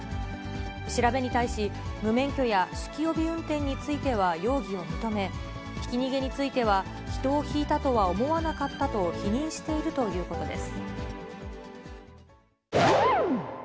調べに対し、無免許や酒気帯び運転については容疑を認め、ひき逃げについては、人をひいたとは思わなかったと、否認しているということです。